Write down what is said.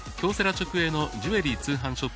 直営のジュエリー通販ショップ